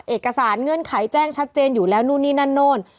เอกสารเงื่อนไขแจ้งชัดเจนอยู่แล้วโน่นนี่น่าโน่น